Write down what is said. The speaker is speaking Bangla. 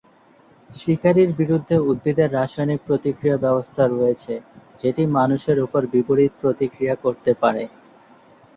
শিকারীর বিরুদ্ধে উদ্ভিদের রাসায়নিক প্রতিরক্ষা ব্যবস্থা রয়েছে যেটি মানুষের উপর বিপরীত প্রতিক্রিয়া করতে পারে।